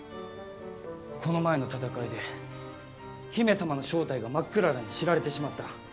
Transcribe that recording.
この前の戦いで姫様の正体がマックララに知られてしまった。